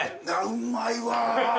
うまいわ！